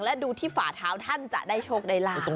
และดูที่ฝ่าเท้าท่านจะได้โชคได้ลาบ